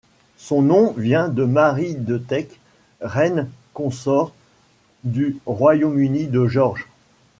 Son nom vient de Mary de Teck, reine consort du Royaume-Uni de George.